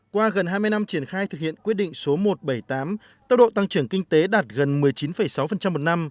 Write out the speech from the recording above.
qua gần hai mươi năm triển khai thực hiện quyết định số một trăm bảy mươi tám tốc độ tăng trưởng kinh tế đạt gần một mươi chín sáu một năm